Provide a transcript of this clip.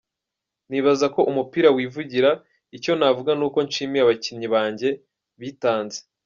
Nibaza ko umupira wivugira, icyo navuga ni uko nshimiye abakinnyi banjye bitanze.